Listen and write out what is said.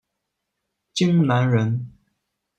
荆南人。